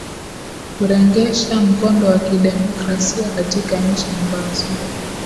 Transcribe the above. kurengesha mkondo wa kidemokrasia katika nchi ambazo